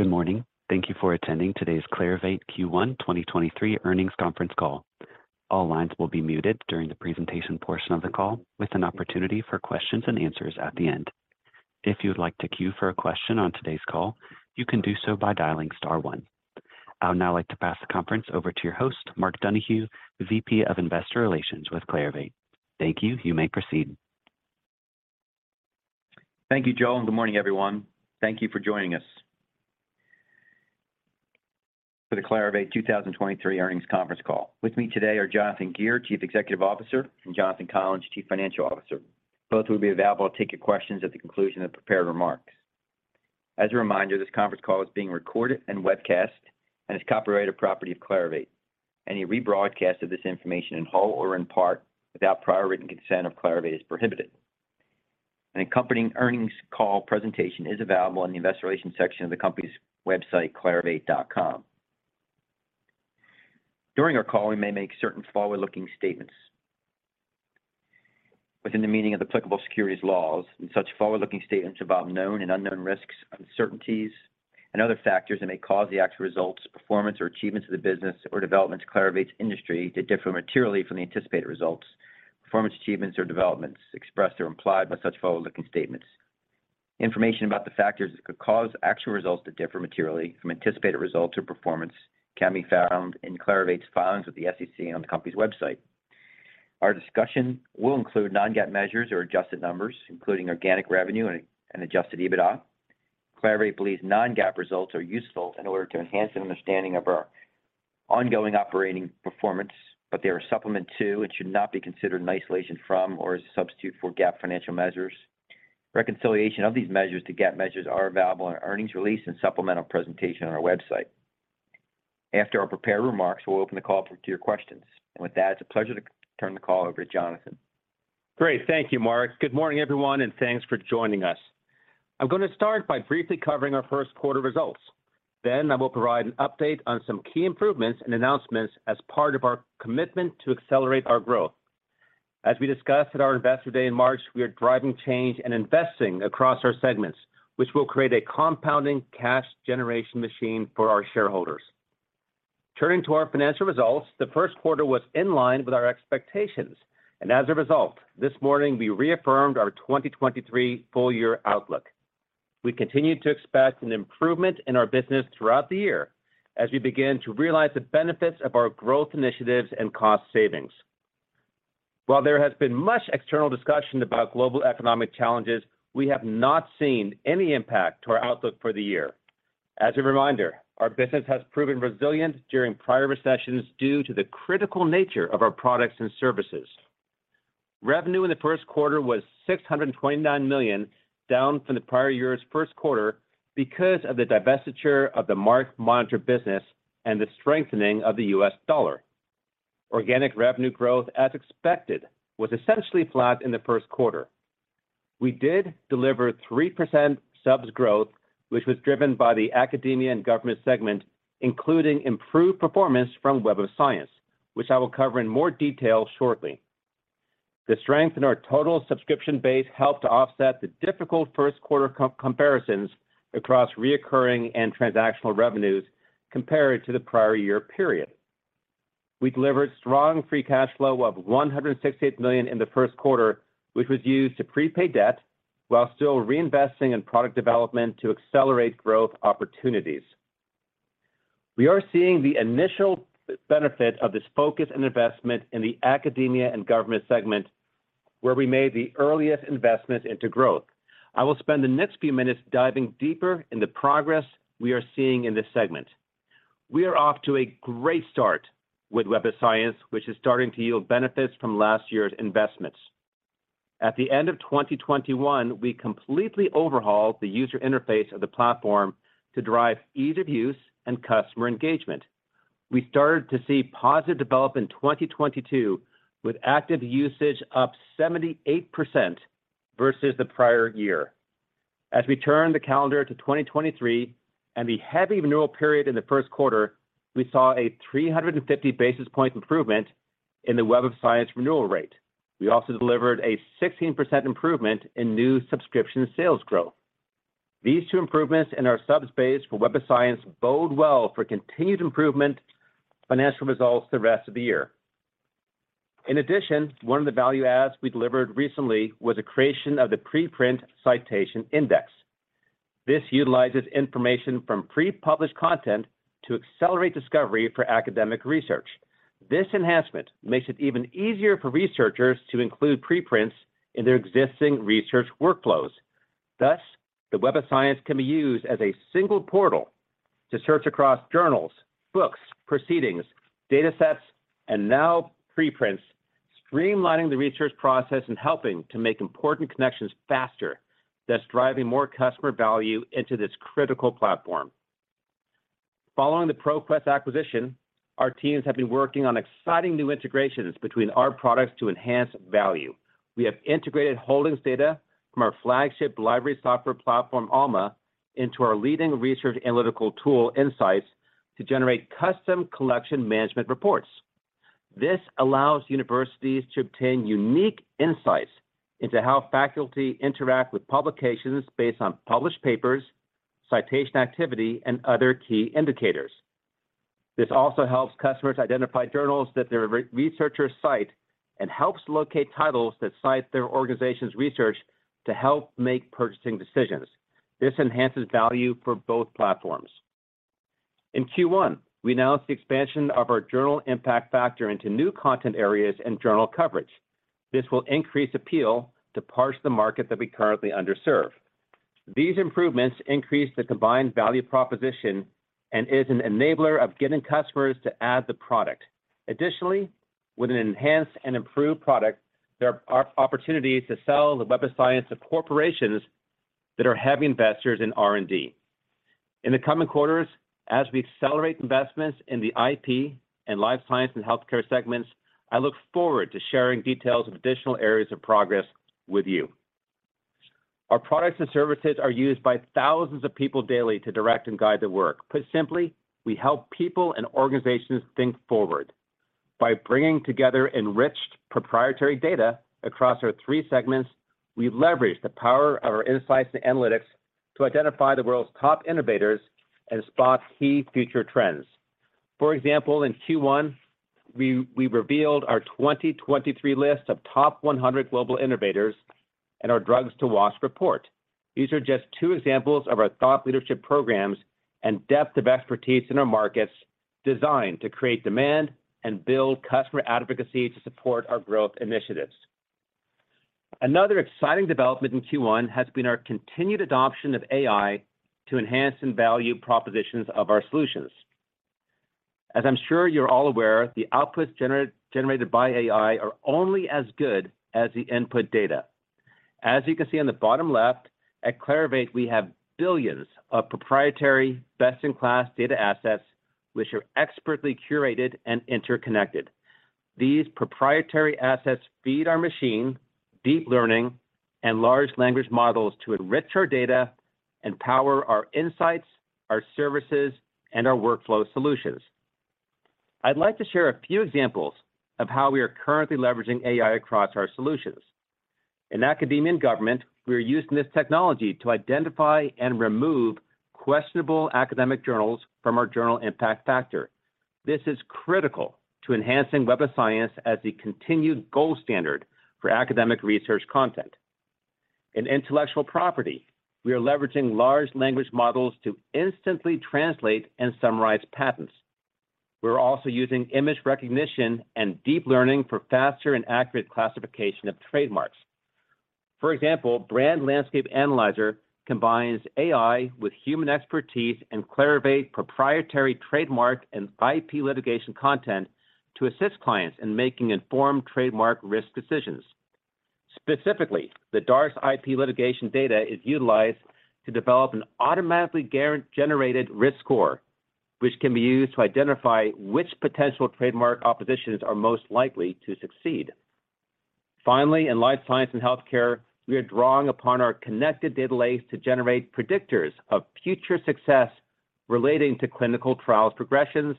Good morning. Thank you for attending today's Clarivate Q1 2023 earnings conference call. All lines will be muted during the presentation portion of the call, with an opportunity for questions and answers at the end. If you would like to queue for a question on today's call, you can do so by dialing star one. I would now like to pass the conference over to your host, Mark Donohue, VP of Investor Relations with Clarivate. Thank you. You may proceed. Thank you, Joel, and good morning, everyone. Thank you for joining us for the Clarivate 2023 earnings conference call. With me today are Jonathan Gear, Chief Executive Officer, and Jonathan Collins, Chief Financial Officer. Both will be available to take your questions at the conclusion of the prepared remarks. As a reminder, this conference call is being recorded and webcast, and is copyrighted property of Clarivate. Any rebroadcast of this information in whole or in part without prior written consent of Clarivate is prohibited. An accompanying earnings call presentation is available in the investor relations section of the company's website, clarivate.com. During our call, we may make certain forward-looking statements within the meaning of applicable securities laws, and such forward-looking statements about known and unknown risks, uncertainties and other factors that may cause the actual results, performance, or achievements of the business or developments of Clarivate's industry to differ materially from the anticipated results, performance, achievements, or developments expressed or implied by such forward-looking statements. Information about the factors that could cause actual results to differ materially from anticipated results or performance can be found in Clarivate's filings with the SEC and on the company's website. Our discussion will include non-GAAP measures or adjusted numbers, including organic revenue and adjusted EBITDA. Clarivate believes non-GAAP results are useful in order to enhance an understanding of our ongoing operating performance, but they are supplement to and should not be considered in isolation from or as a substitute for GAAP financial measures. Reconciliation of these measures to GAAP measures are available in our earnings release and supplemental presentation on our website. After our prepared remarks, we'll open the call up to your questions. With that, it's a pleasure to turn the call over to Jonathan. Great. Thank you, Mark. Good morning, everyone. Thanks for joining us. I'm gonna start by briefly covering our first quarter results. I will provide an update on some key improvements and announcements as part of our commitment to accelerate our growth. As we discussed at our Investor Day in March, we are driving change and investing across our segments, which will create a compounding cash generation machine for our shareholders. Turning to our financial results, the first quarter was in line with our expectations. As a result, this morning we reaffirmed our 2023 full year outlook. We continue to expect an improvement in our business throughout the year as we begin to realize the benefits of our growth initiatives and cost savings. While there has been much external discussion about global economic challenges, we have not seen any impact to our outlook for the year. As a reminder, our business has proven resilient during prior recessions due to the critical nature of our products and services. Revenue in the first quarter was $629 million, down from the prior year's first quarter because of the divestiture of the MarkMonitor business and the strengthening of the U.S. dollar. Organic revenue growth, as expected, was essentially flat in the first quarter. We did deliver 3% subs growth, which was driven by the Academia and Government segment, including improved performance from Web of Science, which I will cover in more detail shortly. The strength in our total subscription base helped to offset the difficult first quarter comparisons across recurring and transactional revenues compared to the prior year period. We delivered strong free cash flow of $168 million in the first quarter, which was used to prepay debt while still reinvesting in product development to accelerate growth opportunities. We are seeing the initial benefit of this focus and investment in the Academia & Government segment, where we made the earliest investment into growth. I will spend the next few minutes diving deeper in the progress we are seeing in this segment. We are off to a great start with Web of Science, which is starting to yield benefits from last year's investments. At the end of 2021, we completely overhauled the user interface of the platform to drive ease of use and customer engagement. We started to see positive development in 2022, with active usage up 78% versus the prior year. As we turn the calendar to 2023 and the heavy renewal period in the first quarter, we saw a 350 basis point improvement in the Web of Science renewal rate. We also delivered a 16% improvement in new subscription sales growth. These two improvements in our subs base for Web of Science bode well for continued improvement financial results the rest of the year. In addition, one of the value adds we delivered recently was the creation of the Preprint Citation Index. This utilizes information from pre-published content to accelerate discovery for academic research. This enhancement makes it even easier for researchers to include preprints in their existing research workflows. Thus, the Web of Science can be used as a single portal to search across journals, books, proceedings, datasets, and now preprints, streamlining the research process and helping to make important connections faster. Thus, driving more customer value into this critical platform. Following the ProQuest acquisition, our teams have been working on exciting new integrations between our products to enhance value. We have integrated holdings data from our flagship library software platform, Alma, into our leading research analytical tool, InCites, to generate custom collection management reports. This allows universities to obtain unique insights into how faculty interact with publications based on published papers, citation activity, and other key indicators. This also helps customers identify journals that their re-researchers cite and helps locate titles that cite their organization's research to help make purchasing decisions. This enhances value for both platforms. In Q1, we announced the expansion of our Journal Impact Factor into new content areas and journal coverage. This will increase appeal to parts of the market that we currently underserve. These improvements increase the combined value proposition and is an enabler of getting customers to add the product. With an enhanced and improved product, there are opportunities to sell the Web of Science to corporations that are heavy investors in R&D. In the coming quarters, as we accelerate investments in the IP and Life Sciences & Healthcare segments, I look forward to sharing details of additional areas of progress with you. Our products and services are used by thousands of people daily to direct and guide their work. Put simply, we help people and organizations think forward. Bringing together enriched proprietary data across our three segments, we leverage the power of our insights and analytics to identify the world's top innovators and spot key future trends. For example, in Q1, we revealed our 2023 list of top 100 global innovators and our Drugs to Watch report. These are just two examples of our thought leadership programs and depth of expertise in our markets designed to create demand and build customer advocacy to support our growth initiatives. Another exciting development in Q1 has been our continued adoption of AI to enhance and value propositions of our solutions. As I'm sure you're all aware, the outputs generated by AI are only as good as the input data. As you can see on the bottom left, at Clarivate, we have billions of proprietary best-in-class data assets which are expertly curated and interconnected. These proprietary assets feed our machine deep learning and large language models to enrich our data and power our insights, our services, and our workflow solutions. I'd like to share a few examples of how we are currently leveraging AI across our solutions. In academia and government, we are using this technology to identify and remove questionable academic journals from our Journal Impact Factor. This is critical to enhancing Web of Science as the continued gold standard for academic research content. In intellectual property, we are leveraging large language models to instantly translate and summarize patents. We're also using image recognition and deep learning for faster and accurate classification of trademarks. For example, Brand Landscape Analyzer combines AI with human expertise and Clarivate proprietary trademark and IP litigation content to assist clients in making informed trademark risk decisions. Specifically, the Darts-ip IP litigation data is utilized to develop an automatically generated risk score, which can be used to identify which potential trademark oppositions are most likely to succeed. Finally, in Life Sciences & Healthcare, we are drawing upon our connected data lakes to generate predictors of future success relating to clinical trials progressions,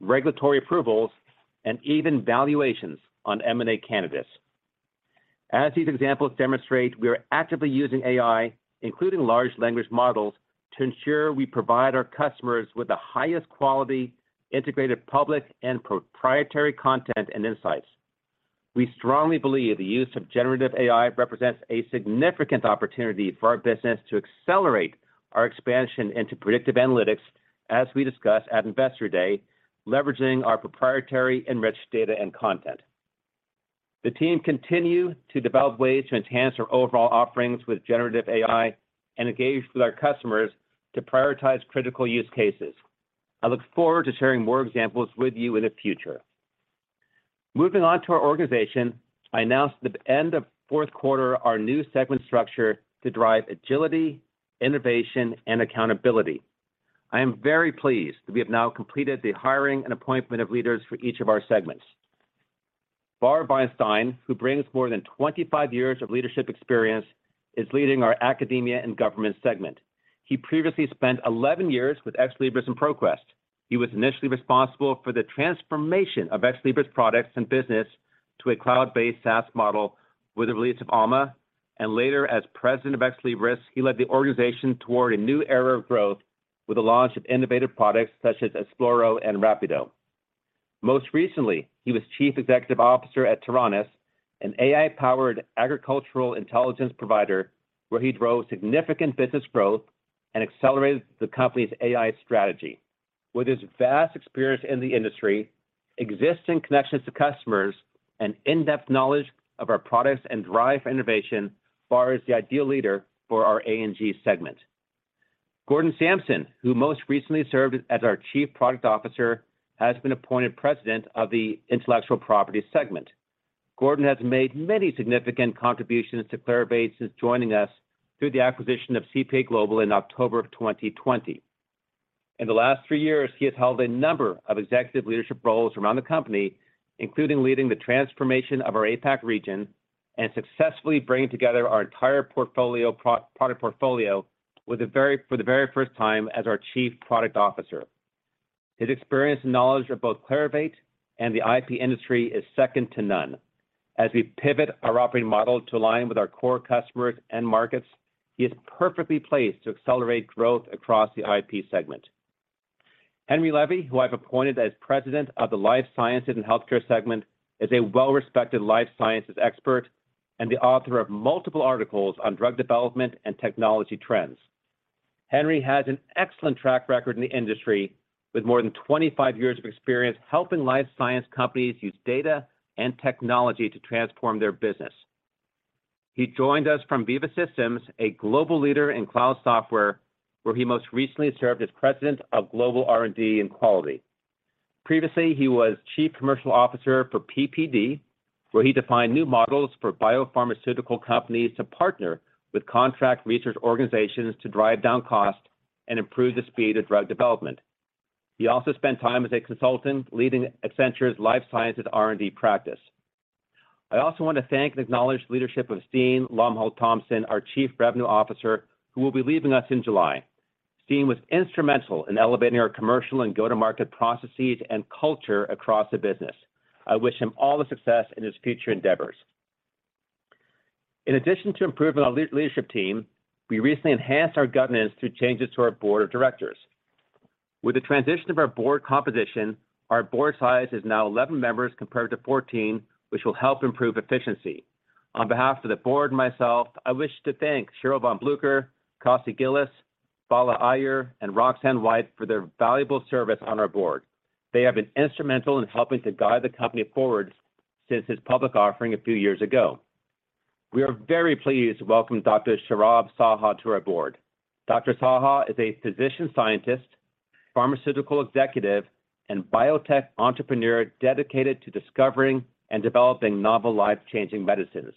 regulatory approvals, and even valuations on M&A candidates. As these examples demonstrate, we are actively using AI, including large language models, to ensure we provide our customers with the highest quality integrated public and proprietary content and insights. We strongly believe the use of generative AI represents a significant opportunity for our business to accelerate our expansion into predictive analytics as we discussed at Investor Day, leveraging our proprietary enriched data and content. The team continue to develop ways to enhance our overall offerings with generative AI and engage with our customers to prioritize critical use cases. I look forward to sharing more examples with you in the future. Moving on to our organization, I announced at the end of fourth quarter our new segment structure to drive agility, innovation, and accountability. I am very pleased that we have now completed the hiring and appointment of leaders for each of our segments. Bar Veinstein, who brings more than 25 years of leadership experience, is leading our Academia & Government segment. He previously spent 11 years with Ex Libris and ProQuest. He was initially responsible for the transformation of Ex Libris products and business to a cloud-based SaaS model with the release of Alma. Later, as President of Ex Libris, he led the organization toward a new era of growth with the launch of innovative products such as Esploro and Rapido. Most recently, he was Chief Executive Officer at Taranis, an AI-powered agricultural intelligence provider, where he drove significant business growth and accelerated the company's AI strategy. With his vast experience in the industry, existing connections to customers, and in-depth knowledge of our products and drive for innovation, Bar is the ideal leader for our A&G segment. Gordon Samson, who most recently served as our Chief Product Officer, has been appointed President of the Intellectual Property segment. Gordon has made many significant contributions to Clarivate since joining us through the acquisition of CPA Global in October of 2020. In the last three years, he has held a number of executive leadership roles around the company, including leading the transformation of our APAC region. Successfully bringing together our entire product portfolio for the very first time as our Chief Product Officer. His experience and knowledge of both Clarivate and the IP industry is second to none. As we pivot our operating model to align with our core customers and markets, he is perfectly placed to accelerate growth across the IP segment. Henry Levy, who I've appointed as President of the Life Sciences and Healthcare segment, is a well-respected life sciences expert and the author of multiple articles on drug development and technology trends. Henry has an excellent track record in the industry, with more than 25 years of experience helping life science companies use data and technology to transform their business. He joined us from Veeva Systems, a global leader in cloud software, where he most recently served as President of Global R&D and Quality. Previously, he was Chief Commercial Officer for PPD, where he defined new models for biopharmaceutical companies to partner with contract research organizations to drive down cost and improve the speed of drug development. He also spent time as a consultant leading Accenture's life sciences R&D practice. I also want to thank and acknowledge the leadership of Steen Lomholt-Thomsen, our Chief Revenue Officer, who will be leaving us in July. Steen was instrumental in elevating our commercial and go-to-market processes and culture across the business. I wish him all the success in his future endeavors. In addition to improving our leadership team, we recently enhanced our governance through changes to our board of directors. With the transition of our board composition, our board size is now 11 members compared to 14, which will help improve efficiency. On behalf of the board and myself, I wish to thank Sheryl von Blucher, Kosty Gilis, Bala Iyer, and Roxane White for their valuable service on our board. They have been instrumental in helping to guide the company forward since its public offering a few years ago. We are very pleased to welcome Dr. Saurabh Saha to our board. Dr. Saha is a physician scientist, pharmaceutical executive, and biotech entrepreneur dedicated to discovering and developing novel life-changing medicines.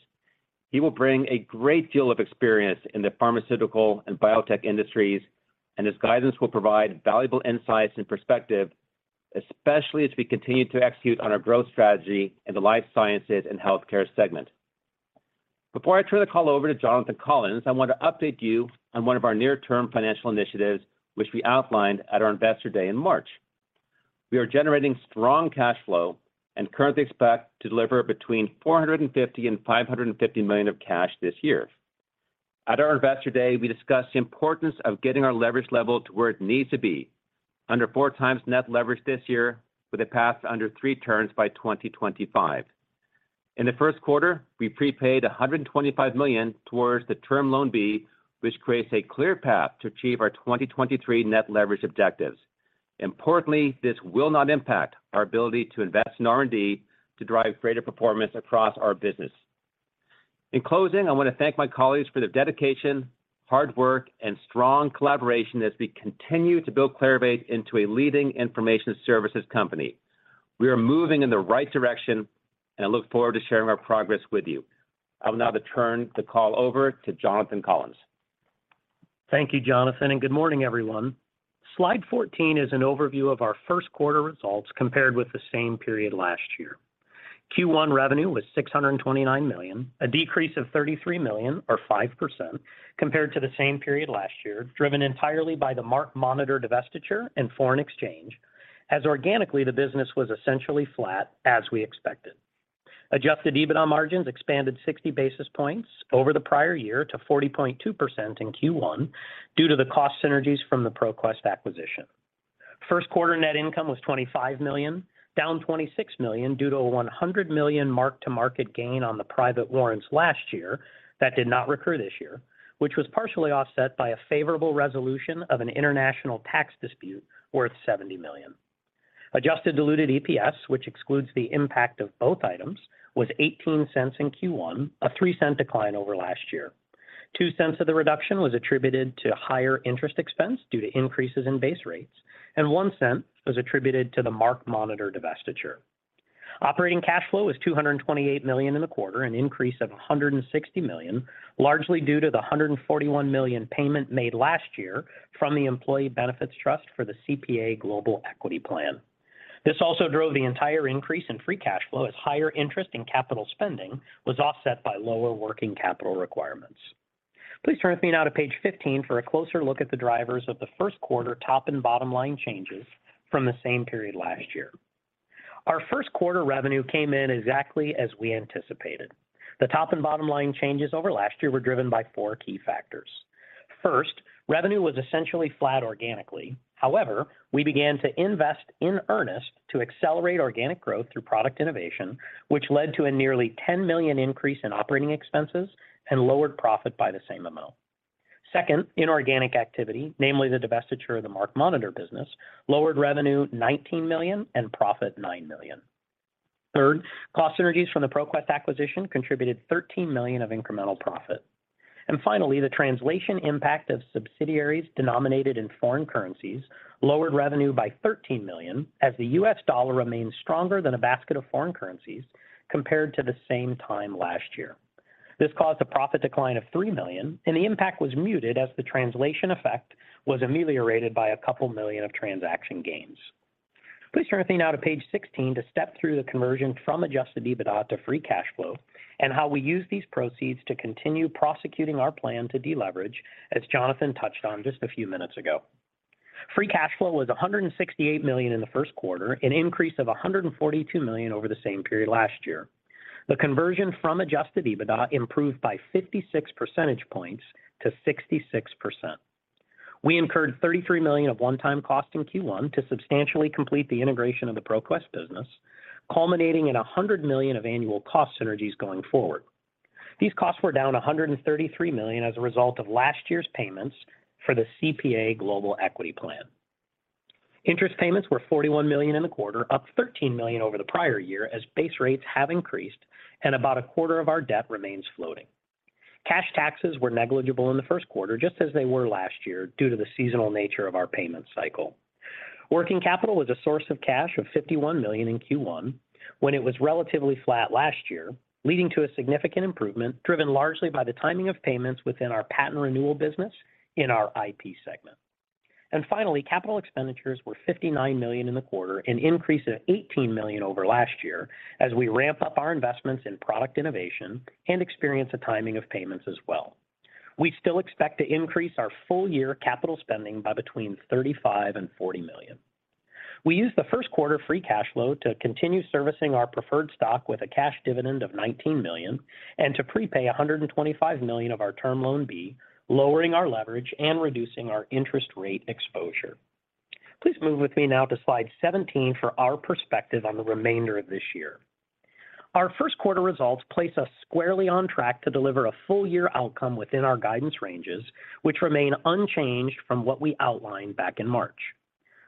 He will bring a great deal of experience in the pharmaceutical and biotech industries, and his guidance will provide valuable insights and perspective, especially as we continue to execute on our growth strategy in the Life Sciences & Healthcare segment. Before I turn the call over to Jonathan Collins, I want to update you on one of our near-term financial initiatives, which we outlined at our Investor Day in March. We are generating strong cash flow and currently expect to deliver between $450 million and $550 million of cash this year. At our Investor Day, we discussed the importance of getting our leverage level to where it needs to be, under 4x net leverage this year, with a path to under three turns by 2025. In the 1st quarter, we prepaid $125 million towards the Term Loan B, which creates a clear path to achieve our 2023 net leverage objectives. Importantly, this will not impact our ability to invest in R&D to drive greater performance across our business. In closing, I want to thank my colleagues for their dedication, hard work, and strong collaboration as we continue to build Clarivate into a leading information services company. We are moving in the right direction, and I look forward to sharing our progress with you. I will now turn the call over to Jonathan Collins. Thank you, Jonathan. Good morning, everyone. Slide 14 is an overview of our first quarter results compared with the same period last year. Q1 revenue was $629 million, a decrease of $33 million or 5% compared to the same period last year, driven entirely by the MarkMonitor divestiture and foreign exchange, as organically the business was essentially flat as we expected. Adjusted EBITDA margins expanded 60 basis points over the prior year to 40.2% in Q1 due to the cost synergies from the ProQuest acquisition. First quarter net income was $25 million, down $26 million due to a $100 million mark-to-market gain on the private warrants last year that did not recur this year, which was partially offset by a favorable resolution of an international tax dispute worth $70 million. Adjusted diluted EPS, which excludes the impact of both items, was $0.18 in Q1, a $0.03 decline over last year. $0.02 of the reduction was attributed to higher interest expense due to increases in base rates, and $0.01 was attributed to the MarkMonitor divestiture. Operating cash flow was $228 million in the quarter, an increase of $160 million, largely due to the $141 million payment made last year from the Employee Benefit Trust for the CPA Global Equity Plan. This also drove the entire increase in free cash flow as higher interest in capital spending was offset by lower working capital requirements. Please turn with me now to page 15 for a closer look at the drivers of the first quarter top and bottom line changes from the same period last year. Our first quarter revenue came in exactly as we anticipated. The top and bottom line changes over last year were driven by four key factors. First, revenue was essentially flat organically. However, we began to invest in earnest to accelerate organic growth through product innovation, which led to a nearly $10 million increase in operating expenses and lowered profit by the same amount. Second, inorganic activity, namely the divestiture of the MarkMonitor business, lowered revenue $19 million and profit $9 million. Third, cost synergies from the ProQuest acquisition contributed $13 million of incremental profit. Finally, the translation impact of subsidiaries denominated in foreign currencies lowered revenue by $13 million as the U.S. dollar remains stronger than a basket of foreign currencies compared to the same time last year. This caused a profit decline of $3 million. The impact was muted as the translation effect was ameliorated by $2 million of transaction gains. Please turn with me now to page 16 to step through the conversion from Adjusted EBITDA to free cash flow and how we use these proceeds to continue prosecuting our plan to deleverage, as Jonathan touched on just a few minutes ago. Free cash flow was $168 million in the first quarter, an increase of $142 million over the same period last year. The conversion from Adjusted EBITDA improved by 56 percentage points to 66%. We incurred $33 million of one-time cost in Q1 to substantially complete the integration of the ProQuest business, culminating in $100 million of annual cost synergies going forward. These costs were down $133 million as a result of last year's payments for the CPA Global Equity Plan. Interest payments were $41 million in the quarter, up $13 million over the prior year, as base rates have increased. About a quarter of our debt remains floating. Cash taxes were negligible in the first quarter, just as they were last year, due to the seasonal nature of our payment cycle. Working capital was a source of cash of $51 million in Q1, when it was relatively flat last year, leading to a significant improvement driven largely by the timing of payments within our patent renewal business in our IP segment. Finally, capital expenditures were $59 million in the quarter, an increase of $18 million over last year as we ramp up our investments in product innovation and experience the timing of payments as well. We still expect to increase our full year capital spending by between $35 million and $40 million. We used the first quarter free cash flow to continue servicing our preferred stock with a cash dividend of $19 million and to prepay $125 million of our Term Loan B, lowering our leverage and reducing our interest rate exposure. Please move with me now to slide 17 for our perspective on the remainder of this year. Our first quarter results place us squarely on track to deliver a full year outcome within our guidance ranges, which remain unchanged from what we outlined back in March.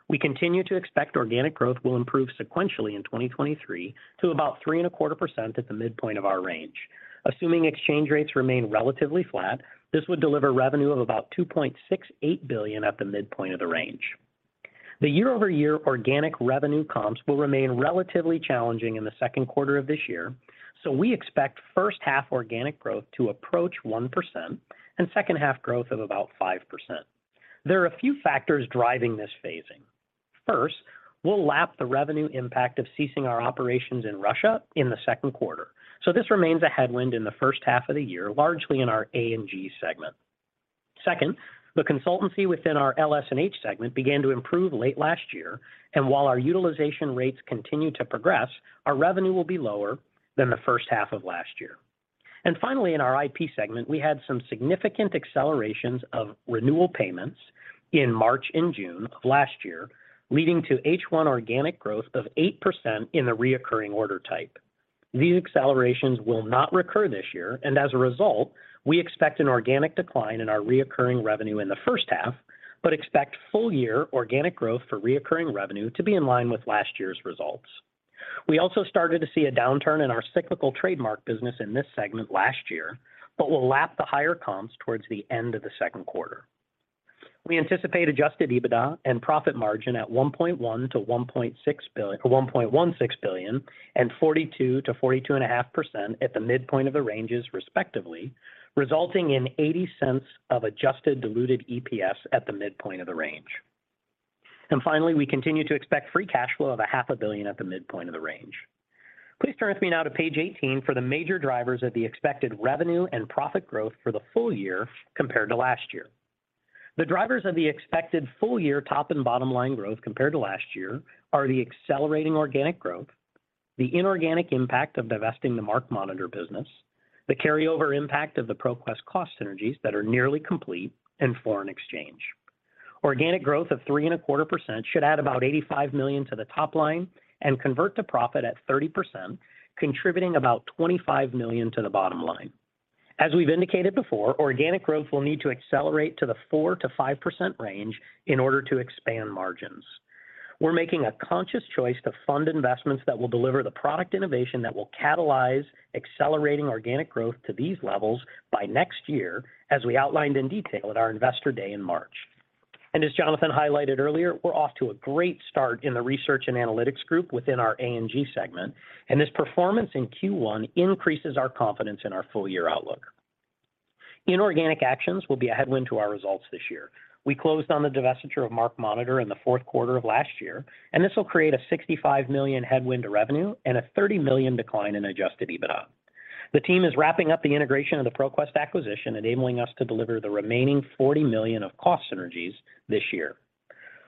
We continue to expect organic growth will improve sequentially in 2023 to about 3.25% at the midpoint of our range. Assuming exchange rates remain relatively flat, this would deliver revenue of about $2.68 billion at the midpoint of the range. The year-over-year organic revenue comps will remain relatively challenging in the second quarter of this year. We expect first half organic growth to approach 1% and second half growth of about 5%. There are a few factors driving this phasing. First, we'll lap the revenue impact of ceasing our operations in Russia in the second quarter. This remains a headwind in the first half of the year, largely in our A&G segment. Second, the consultancy within our LS&H segment began to improve late last year. While our utilization rates continue to progress, our revenue will be lower than the first half of last year. Finally, in our IP segment, we had some significant accelerations of renewal payments in March and June of last year, leading to H1 organic growth of 8% in the reoccurring order type. These accelerations will not recur this year, and as a result, we expect an organic decline in our reoccurring revenue in the first half, but expect full year organic growth for reoccurring revenue to be in line with last year's results. We also started to see a downturn in our cyclical trademark business in this segment last year, but we'll lap the higher comps towards the end of the second quarter. We anticipate Adjusted EBITDA and profit margin at $1.16 billion and 42%-42.5% at the midpoint of the ranges, respectively, resulting in $0.80 of Adjusted Diluted EPS at the midpoint of the range. Finally, we continue to expect free cash flow of a half a billion at the midpoint of the range. Please turn with me now to page 18 for the major drivers of the expected revenue and profit growth for the full year compared to last year. The drivers of the expected full year top and bottom line growth compared to last year are the accelerating organic growth, the inorganic impact of divesting the MarkMonitor business, the carryover impact of the ProQuest cost synergies that are nearly complete, and foreign exchange. Organic growth of 3.25% should add about $85 million to the top line and convert to profit at 30%, contributing about $25 million to the bottom line. As we've indicated before, organic growth will need to accelerate to the 4%-5% range in order to expand margins. We're making a conscious choice to fund investments that will deliver the product innovation that will catalyze accelerating organic growth to these levels by next year, as we outlined in detail at our Investor Day in March. As Jonathan highlighted earlier, we're off to a great start in the research and analytics group within our A&G segment, and this performance in Q1 increases our confidence in our full year outlook. Inorganic actions will be a headwind to our results this year. We closed on the divestiture of MarkMonitor in the fourth quarter of last year. This will create a $65 million headwind to revenue and a $30 million decline in Adjusted EBITDA. The team is wrapping up the integration of the ProQuest acquisition, enabling us to deliver the remaining $40 million of cost synergies this year.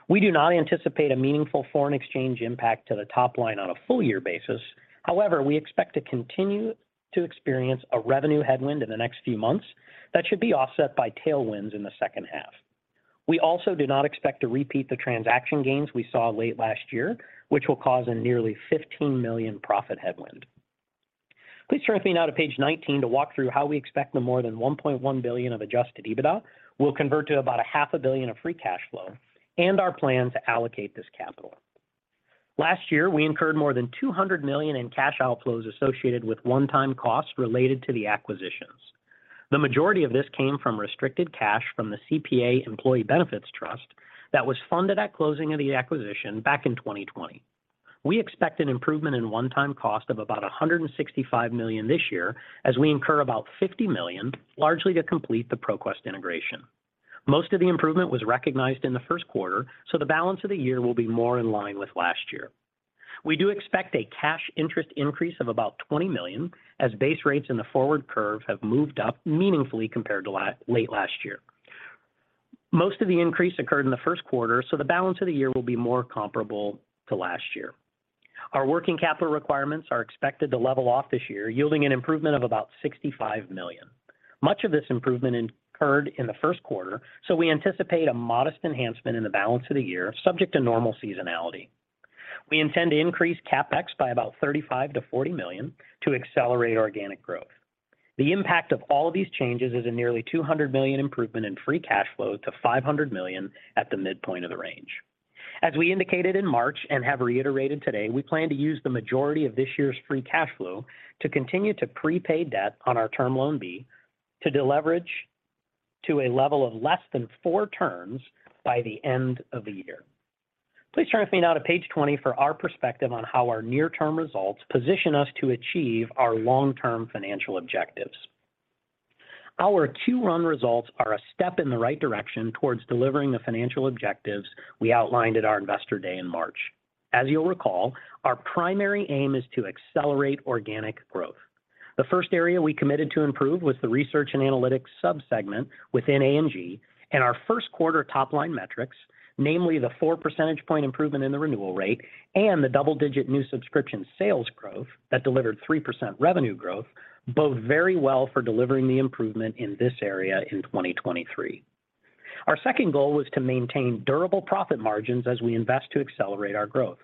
We do not anticipate a meaningful foreign exchange impact to the top line on a full year basis. However, we expect to continue to experience a revenue headwind in the next few months that should be offset by tailwinds in the second half. We also do not expect to repeat the transaction gains we saw late last year, which will cause a nearly $15 million profit headwind. Please turn with me now to page 19 to walk through how we expect the more than $1.1 billion of Adjusted EBITDA will convert to about a half a billion of free cash flow and our plan to allocate this capital. Last year, we incurred more than $200 million in cash outflows associated with one-time costs related to the acquisitions. The majority of this came from restricted cash from the CPA Employee Benefits Trust that was funded at closing of the acquisition back in 2020. We expect an improvement in one-time cost of about $165 million this year as we incur about $50 million, largely to complete the ProQuest integration. Most of the improvement was recognized in the first quarter, so the balance of the year will be more in line with last year. We do expect a cash interest increase of about $20 million as base rates in the forward curve have moved up meaningfully compared to late last year. Most of the increase occurred in the first quarter, so the balance of the year will be more comparable to last year. Our working capital requirements are expected to level off this year, yielding an improvement of about $65 million. Much of this improvement occurred in the first quarter, so we anticipate a modest enhancement in the balance of the year, subject to normal seasonality. We intend to increase CapEx by about $35 million-$40 million to accelerate organic growth. The impact of all these changes is a nearly $200 million improvement in free cash flow to $500 million at the midpoint of the range. As we indicated in March and have reiterated today, we plan to use the majority of this year's free cash flow to continue to prepay debt on our Term Loan B to deleverage to a level of less than four turns by the end of the year. Please turn with me now to page 20 for our perspective on how our near-term results position us to achieve our long-term financial objectives. Our Q1 results are a step in the right direction towards delivering the financial objectives we outlined at our Investor Day in March. As you'll recall, our primary aim is to accelerate organic growth. The first area we committed to improve was the research and analytics sub-segment within A&G and our first quarter top-line metrics, namely the four percentage point improvement in the renewal rate and the double-digit new subscription sales growth that delivered 3% revenue growth, bode very well for delivering the improvement in this area in 2023. Our second goal was to maintain durable profit margins as we invest to accelerate our growth.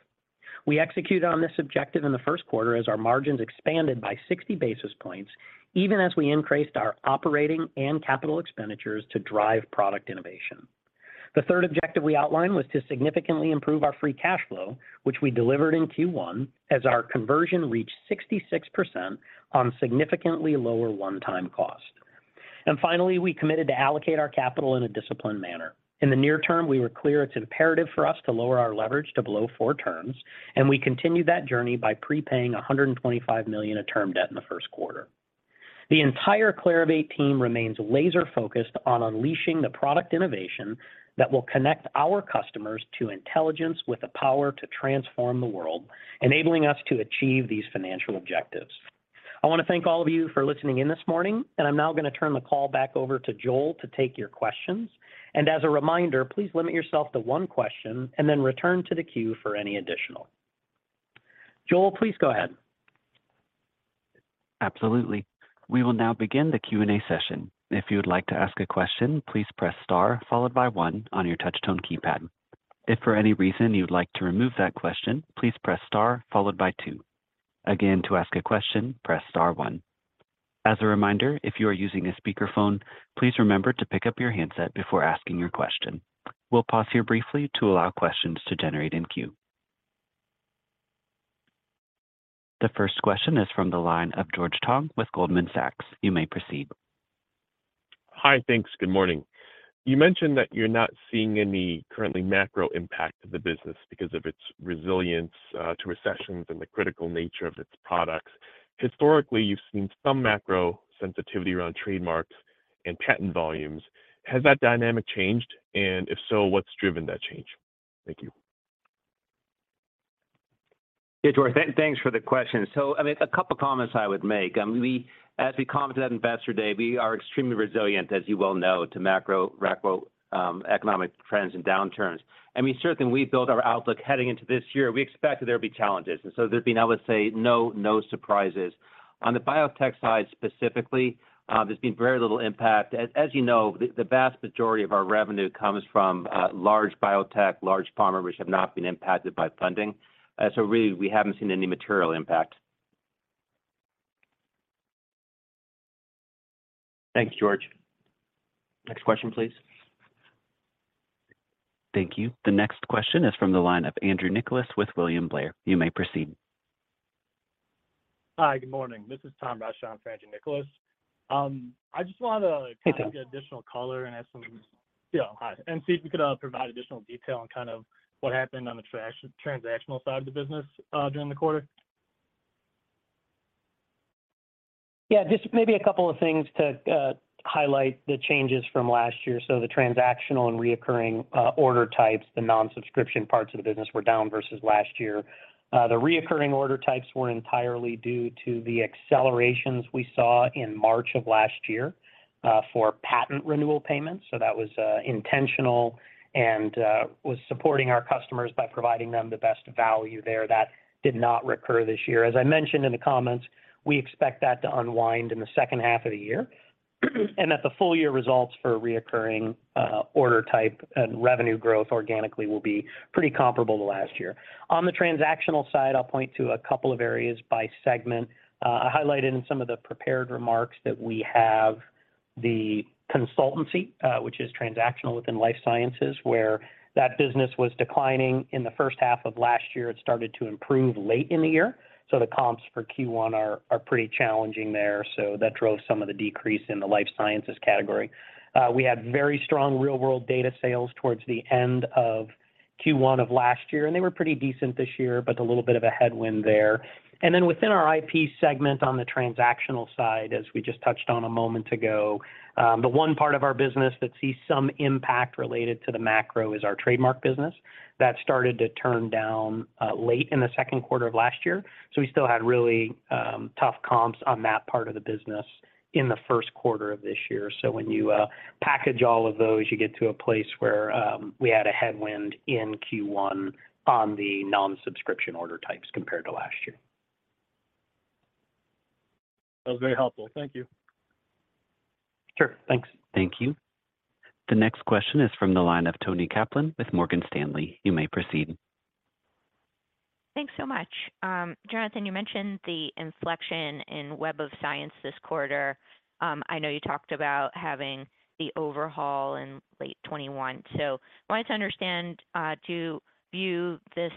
We executed on this objective in the first quarter as our margins expanded by 60 basis points, even as we increased our operating and capital expenditures to drive product innovation. The third objective we outlined was to significantly improve our free cash flow, which we delivered in Q1 as our conversion reached 66% on significantly lower one-time cost. Finally, we committed to allocate our capital in a disciplined manner. In the near term, we were clear it's imperative for us to lower our leverage to below four turns. We continued that journey by prepaying $125 million of term debt in the first quarter. The entire Clarivate team remains laser-focused on unleashing the product innovation that will connect our customers to intelligence with the power to transform the world, enabling us to achieve these financial objectives. I want to thank all of you for listening in this morning. I'm now going to turn the call back over to Joel to take your questions. As a reminder, please limit yourself to one question and then return to the queue for any additional. Joel, please go ahead. Absolutely. We will now begin the Q&A session. If you would like to ask a question, please press star followed by one on your touch tone keypad. If for any reason you'd like to remove that question, please press star followed by two. Again, to ask a question, press star one. As a reminder, if you are using a speakerphone, please remember to pick up your handset before asking your question. We'll pause here briefly to allow questions to generate in queue. The first question is from the line of George Tong with Goldman Sachs. You may proceed. Hi. Thanks. Good morning. You mentioned that you're not seeing any currently macro impact to the business because of its resilience to recessions and the critical nature of its products. Historically, you've seen some macro sensitivity around trademarks and patent volumes. Has that dynamic changed? If so, what's driven that change? Thank you. Hey, George. Thanks for the question. I mean, a couple comments I would make. As we commented at Investor Day, we are extremely resilient, as you well know, to macro economic trends and downturns. I mean, certainly we built our outlook heading into this year, we expected there would be challenges, there's been, I would say, no surprises. On the biotech side specifically, there's been very little impact. As you know, the vast majority of our revenue comes from large biotech, large pharma, which have not been impacted by funding. Really, we haven't seen any material impact. Thanks, George. Next question, please. Thank you. The next question is from the line of Andrew Nicholas with William Blair. You may proceed. Hi. Good morning. This is Tom Roesch for Andrew Nicholas. Hey, Tom. kind of get additional color and ask some. Yeah. Hi. See if you could provide additional detail on kind of what happened on the transactional side of the business during the quarter? Yeah. Just maybe two things to highlight the changes from last year. The transactional and reoccurring order types, the non-subscription parts of the business were down versus last year. The reoccurring order types were entirely due to the accelerations we saw in March of last year for patent renewal payments. That was intentional and was supporting our customers by providing them the best value there. That did not recur this year. As I mentioned in the comments, we expect that to unwind in the second half of the year, and that the full year results for reoccurring order type and revenue growth organically will be pretty comparable to last year. On the transactional side, I'll point to two areas by segment. I highlighted in some of the prepared remarks that we have the consultancy, which is transactional within Life Sciences, where that business was declining in the first half of last year. It started to improve late in the year. The comps for Q1 are pretty challenging there. That drove some of the decrease in the Life Sciences category. We had very strong real world data sales towards the end of Q1 of last year, and they were pretty decent this year, but a little bit of a headwind there. Within our IP segment on the transactional side, as we just touched on a moment ago, the one part of our business that sees some impact related to the macro is our trademark business. That started to turn down, late in the second quarter of last year, so we still had really tough comps on that part of the business in the first quarter of this year. When you package all of those, you get to a place where we had a headwind in Q1 on the non-subscription order types compared to last year. That was very helpful. Thank you. Sure. Thanks. Thank you. The next question is from the line of Toni Kaplan with Morgan Stanley. You may proceed. Thanks so much. Jonathan, you mentioned the inflection in Web of Science this quarter. I know you talked about having the overhaul in late 2021. Wanted to understand, to view this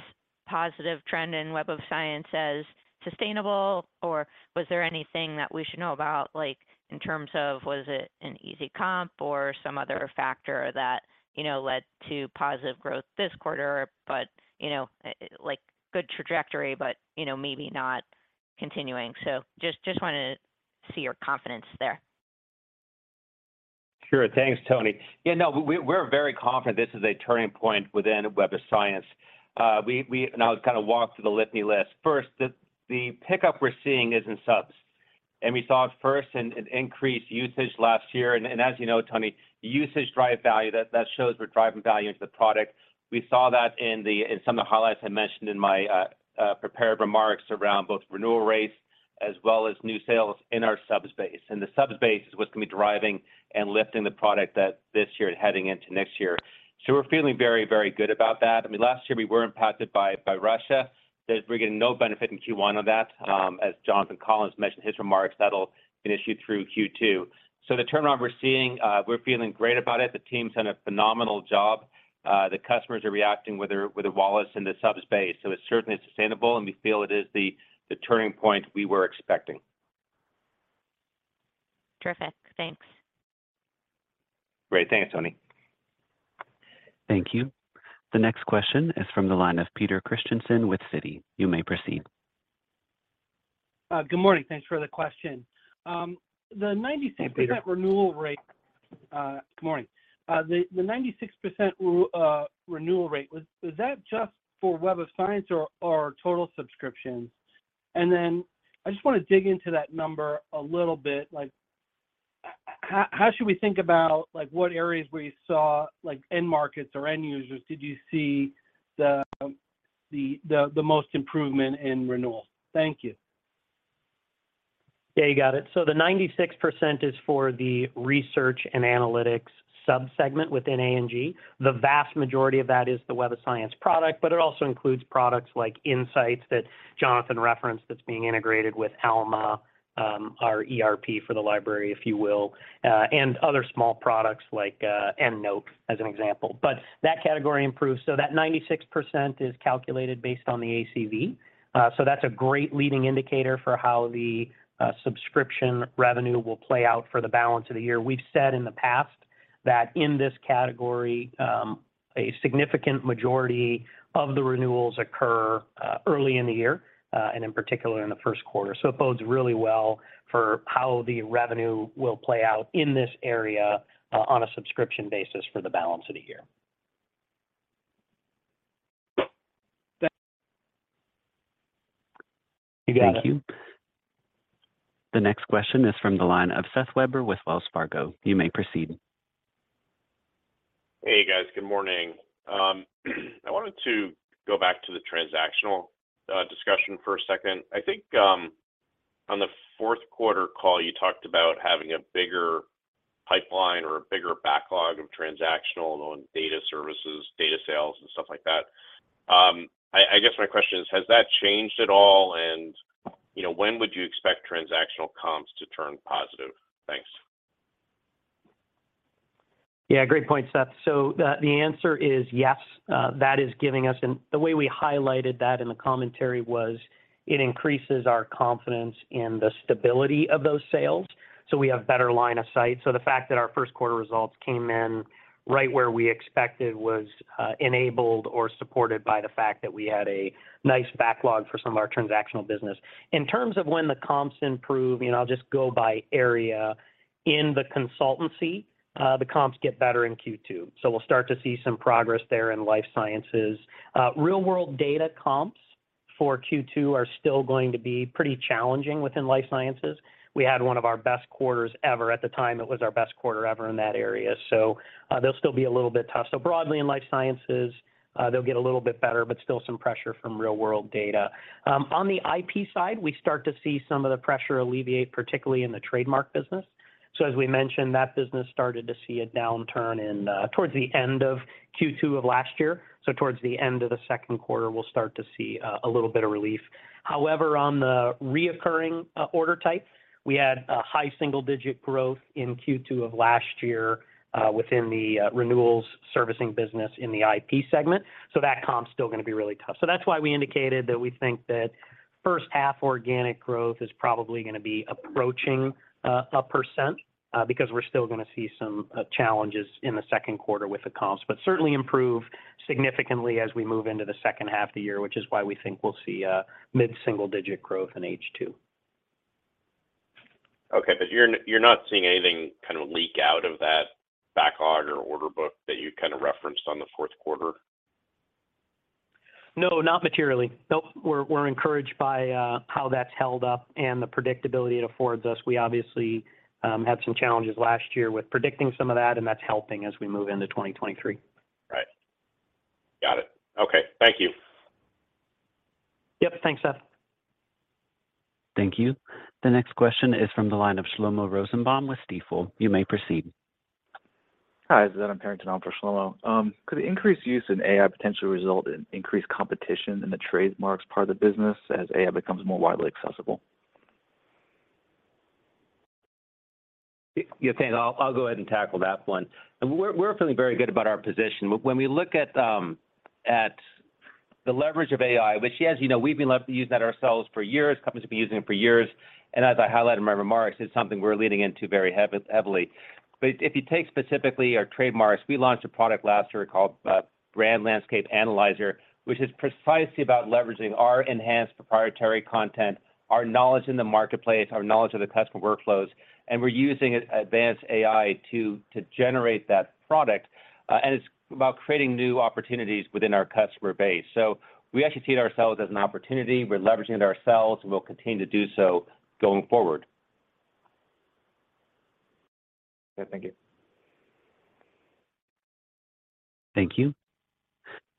positive trend in Web of Science as sustainable, or was there anything that we should know about, like in terms of, was it an easy comp or some other factor that, you know, led to positive growth this quarter, but, you know, like good trajectory, but, you know, maybe not continuing. Just wanna see your confidence there. Sure. Thanks, Toni. Yeah, no, we're very confident this is a turning point within Web of Science. I'll kind of walk through the litany list. First, the pickup we're seeing is in subs, we saw it first in increased usage last year. As you know, Toni, usage-derived value, that shows we're driving value into the product. We saw that in some of the highlights I mentioned in my prepared remarks around both renewal rates as well as new sales in our subs base. The subs base is what's gonna be driving and lifting the product that this year and heading into next year. We're feeling very good about that. I mean, last year we were impacted by Russia. We're getting no benefit in Q1 of that. As Jonathan Collins mentioned in his remarks, that'll continue through Q2. The turnaround we're seeing, we're feeling great about it. The team's done a phenomenal job. The customers are reacting with their wallets in the subs base, so it's certainly sustainable, and we feel it is the turning point we were expecting. Terrific. Thanks. Great. Thanks, Toni. Thank you. The next question is from the line of Peter Christiansen with Citi. You may proceed. Good morning. Thanks for the question. Hey, Peter. percent renewal rate. Good morning. The 96% renewal rate, was that just for Web of Science or total subscriptions? Then I just wanna dig into that number a little bit, like how should we think about, like what areas where you saw, like end markets or end users did you see the most improvement in renewal? Thank you. Yeah, you got it. The 96% is for the research and analytics sub-segment within A&G. The vast majority of that is the Web of Science product, but it also includes products like InCites that Jonathan referenced that's being integrated with Alma, our ERP for the library, if you will, and other small products like EndNote, as an example. That category improved, so that 96% is calculated based on the ACV. That's a great leading indicator for how the subscription revenue will play out for the balance of the year. We've said in the past that in this category, a significant majority of the renewals occur early in the year, and in particular in the first quarter. It bodes really well for how the revenue will play out in this area, on a subscription basis for the balance of the year. Thank you. You got it. Thank you. The next question is from the line of Seth Weber with Wells Fargo. You may proceed. Hey, guys. Good morning. I wanted to go back to the transactional discussion for a second. I think on the fourth quarter call, you talked about having a bigger pipeline or a bigger backlog of transactional on data services, data sales, and stuff like that. I guess my question is, has that changed at all? You know, when would you expect transactional comps to turn positive? Thanks. Great point, Seth. The answer is yes. That is giving us. The way we highlighted that in the commentary was it increases our confidence in the stability of those sales. We have better line of sight. The fact that our first quarter results came in right where we expected was enabled or supported by the fact that we had a nice backlog for some of our transactional business. In terms of when the comps improve, you know, I'll just go by area. In the consultancy, the comps get better in Q2. We'll start to see some progress there in Life Sciences. Real world data comps for Q2 are still going to be pretty challenging within Life Sciences. We had one of our best quarters ever. At the time, it was our best quarter ever in that area. They'll still be a little bit tough. Broadly in Life Sciences, they'll get a little bit better, but still some pressure from real world data. On the IP side, we start to see some of the pressure alleviate, particularly in the trademark business. As we mentioned, that business started to see a downturn in towards the end of Q2 of last year. Towards the end of the second quarter, we'll start to see a little bit of relief. However, on the recurring order type, we had a high single-digit growth in Q2 of last year within the renewals servicing business in the IP segment. That comp's still gonna be really tough. That's why we indicated that we think that first half organic growth is probably gonna be approaching 1%, because we're still gonna see some challenges in the second quarter with the comps. Certainly improve significantly as we move into the second half of the year, which is why we think we'll see mid-single digit growth in H2. Okay. You're not seeing anything kind of leak out of that backlog or order book that you kind of referenced on the fourth quarter? No, not materially. No, we're encouraged by how that's held up and the predictability it affords us. We obviously had some challenges last year with predicting some of that, and that's helping as we move into 2023. Right. Got it. Okay, thank you. Yep. Thanks, Seth. Thank you. The next question is from the line of Shlomo Rosenbaum with Stifel. You may proceed. Hi, this is Adam Parrington, filling in for Shlomo. Could increased use in AI potentially result in increased competition in the trademarks part of the business as AI becomes more widely accessible? Yeah, thanks. I'll go ahead and tackle that one. We're feeling very good about our position. When we look at the leverage of AI, which yes, you know, we've been left to use that ourselves for years, companies have been using it for years. As I highlighted in my remarks, it's something we're leaning into very heavily. If you take specifically our trademarks, we launched a product last year called Brand Landscape Analyzer, which is precisely about leveraging our enhanced proprietary content, our knowledge in the marketplace, our knowledge of the customer workflows, and we're using advanced AI to generate that product. It's about creating new opportunities within our customer base. We actually see it ourselves as an opportunity. We're leveraging it ourselves, and we'll continue to do so going forward. Yeah, thank you. Thank you.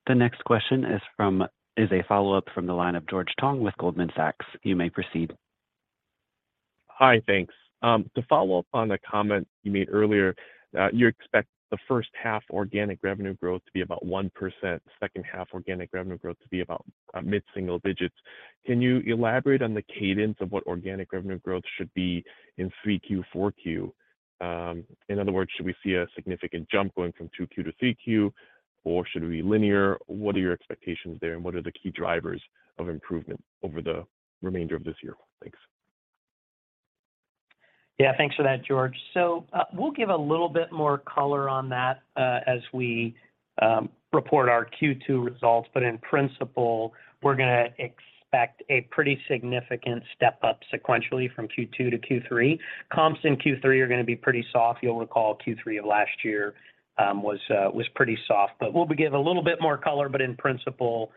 The next question is a follow-up from the line of George Tong with Goldman Sachs. You may proceed. Hi, thanks. To follow up on the comment you made earlier, you expect the first half organic revenue growth to be about 1%, second half organic revenue growth to be about mid-single digits. Can you elaborate on the cadence of what organic revenue growth should be in 3Q, 4Q? In other words, should we see a significant jump going from 2Q to 3Q, or should it be linear? What are your expectations there, and what are the key drivers of improvement over the remainder of this year? Thanks. Yeah, thanks for that, George. We'll give a little bit more color on that as we report our Q2 results. In principle, we're gonna expect a pretty significant step up sequentially from Q2 to Q3. Comps in Q3 are gonna be pretty soft. You'll recall Q3 of last year was pretty soft. We'll be giving a little bit more color, but in principle,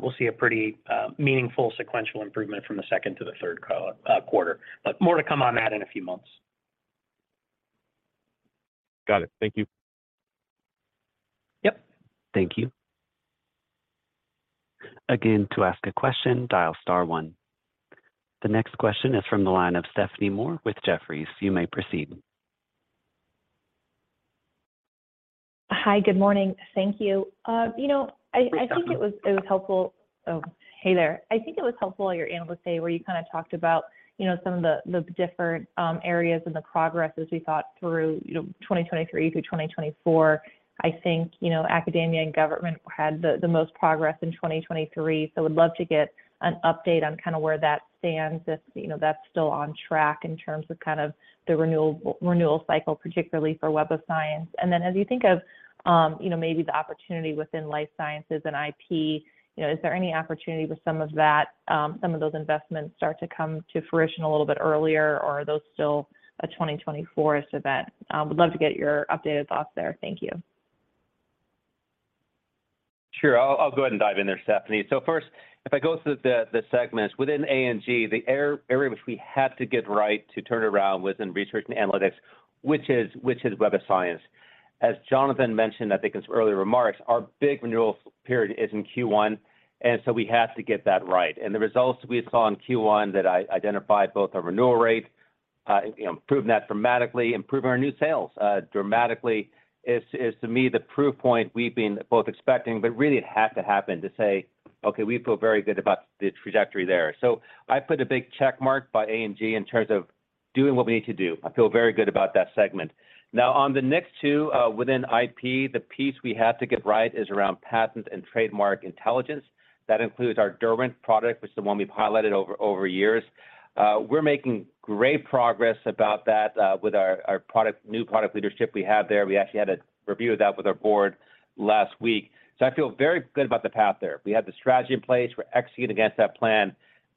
we'll see a pretty meaningful sequential improvement from the second to the third quarter. More to come on that in a few months. Got it. Thank you. Yep. Thank you. Again, to ask a question, dial star one. The next question is from the line of Stephanie Moore with Jefferies. You may proceed. Hi, good morning. Thank you. You know, I think it was helpful. Oh, hey there. I think it was helpful at your analyst day where you kinda talked about, you know, some of the different areas and the progress as we thought through, you know, 2023 through 2024. I think, you know, Academia & Government had the most progress in 2023. Would love to get an update on kinda where that stands, if, you know, that's still on track in terms of kind of the renewal cycle, particularly for Web of Science. As you think of, you know, maybe the opportunity within Life Sciences and IP, you know, is there any opportunity with some of that, some of those investments start to come to fruition a little bit earlier, or are those still a 2024 event? Would love to get your updated thoughts there. Thank you. Sure. I'll go ahead and dive in there, Stephanie. First, if I go through the segments, within A&G, the area which we had to get right to turn around was in research and analytics, which is Web of Science. As Jonathan mentioned, I think in his earlier remarks, our big renewal period is in Q1. We had to get that right. The results we saw in Q1 that identified both our renewal rate, you know, improved dramatically, improved our new sales dramatically, is to me the proof point we've been both expecting, but really it had to happen to say, "Okay, we feel very good about the trajectory there." I put a big check mark by A&G in terms of doing what we need to do. I feel very good about that segment. On the next two, within IP, the piece we had to get right is around patent and trademark intelligence. That includes our Derwent product, which is the one we've highlighted over years. We're making great progress about that, with our product, new product leadership we have there. We actually had a review of that with our board last week. I feel very good about the path there. We have the strategy in place. We're executing against that plan.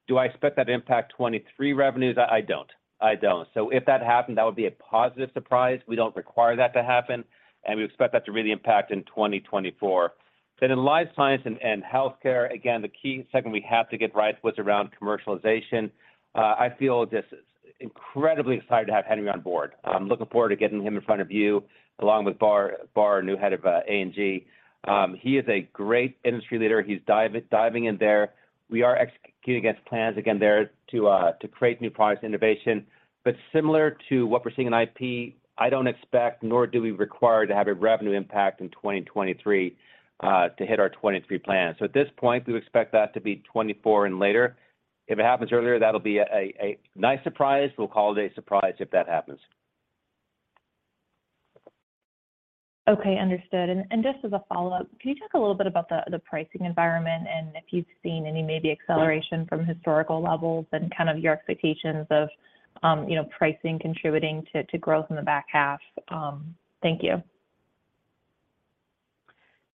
Do I expect that to impact 23 revenues? I don't. I don't. If that happened, that would be a positive surprise. We don't require that to happen, and we expect that to really impact in 2024. In Life Science and Healthcare, again, the key segment we have to get right was around commercialization. I feel just incredibly excited to have Henry on board. I'm looking forward to getting him in front of you, along with Bar, our new head of A&G. He is a great industry leader. He's diving in there. We are executing against plans, again, there to create new products and innovation. Similar to what we're seeing in IP, I don't expect nor do we require to have a revenue impact in 2023 to hit our 2023 plan. At this point, we expect that to be 2024 and later. If it happens earlier, that'll be a nice surprise. We'll call it a surprise if that happens. Okay, understood. Just as a follow-up, can you talk a little bit about the pricing environment and if you've seen any maybe acceleration from historical levels and kind of your expectations of, you know, pricing contributing to growth in the back half? Thank you.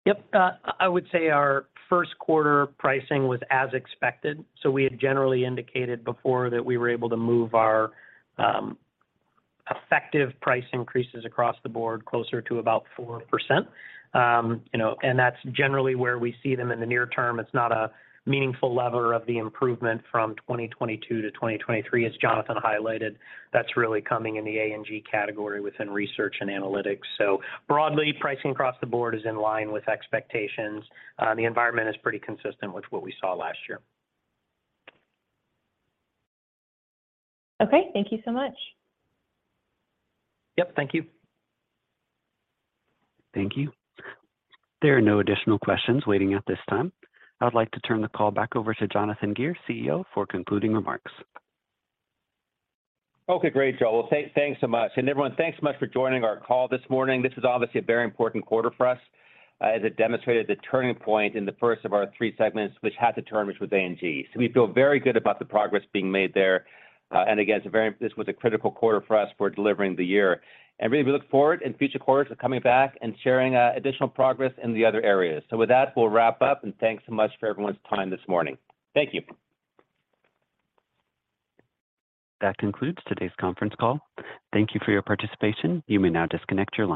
Yep. I would say our first quarter pricing was as expected. We had generally indicated before that we were able to move our effective price increases across the board closer to about 4%. You know, that's generally where we see them in the near term. It's not a meaningful lever of the improvement from 2022 to 2023, as Jonathan highlighted. That's really coming in the A&G category within research and analytics. Broadly, pricing across the board is in line with expectations. The environment is pretty consistent with what we saw last year. Okay. Thank you so much. Yep, thank you. Thank you. There are no additional questions waiting at this time. I would like to turn the call back over to Jonathan Gear, CEO, for concluding remarks. Okay, great, Joel. Well, thanks so much. Everyone, thanks so much for joining our call this morning. This is obviously a very important quarter for us, as it demonstrated the turning point in the first of our three segments which had to turn, which was A&G. We feel very good about the progress being made there, and again, this was a critical quarter for us for delivering the year. Really, we look forward in future quarters of coming back and sharing additional progress in the other areas. With that, we'll wrap up, and thanks so much for everyone's time this morning. Thank you. That concludes today's conference call. Thank you for your participation. You may now disconnect your line.